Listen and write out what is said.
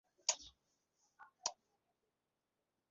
زه د آرام څوکۍ خوښوم.